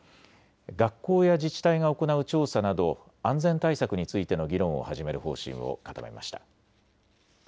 学校や自治体が行う調査など安全対策についての議論を始める方針を固めました。